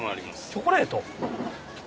チョコレート？